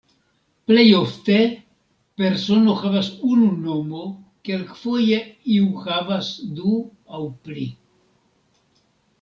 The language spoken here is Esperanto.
Plejofte, persono havas unu nomo, kelkfoje iu havas du aŭ pli.